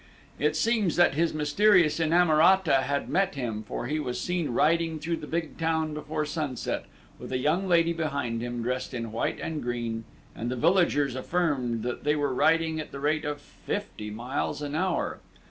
It seems that his mysterious inamorata had met him, for he was seen riding through the big town before sunset, with a young lady behind him, dressed in white and green, and the villagers affirmed that they were riding at the rate of fifty miles an hour!